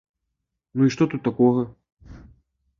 Ну і што тут такога?